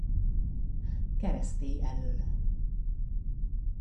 Keresztély elől.